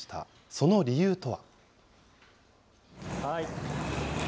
その理由とは。